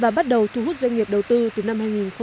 và bắt đầu thu hút doanh nghiệp đầu tư từ năm hai nghìn chín